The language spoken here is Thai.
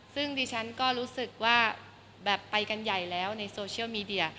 ซึ่งดิฉันก็รู้สึกว่าแบบไปกันใหญ่แล้วในโซเชียลมีเดีย